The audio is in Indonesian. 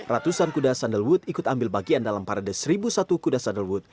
ratusan kuda sandalwood ikut ambil bagian dalam parade seribu satu kuda sandalwood